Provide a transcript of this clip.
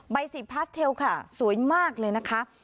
ใบสีพาสเทลค่ะสวยมากเลยนะคะ